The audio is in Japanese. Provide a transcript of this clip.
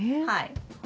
はい。